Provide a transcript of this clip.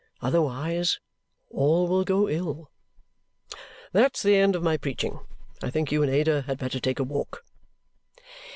Otherwise, all will go ill. That's the end of my preaching. I think you and Ada had better take a walk."